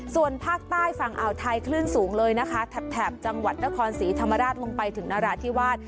ส่วนภาคใต้ฝั่งอ่าวไทยคลื่นสูงเลยนะคะแถบจังหวัดนครศรีธรรมราชลงไปถึงนราธิวาส